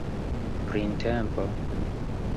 printempo